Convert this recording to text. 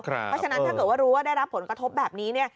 เพราะฉะนั้นถ้าเกิดว่ารู้ว่าได้รับผลกระทบแบบนี้